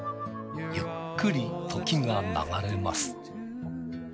ゆっくり時が流れます。